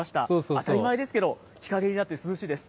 当たり前ですけど、日陰になって涼しいです。